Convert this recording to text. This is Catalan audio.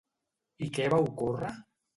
I què va ocórrer?